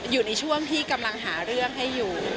อยู่ในช่วงที่กำลังหาเรื่องให้อยู่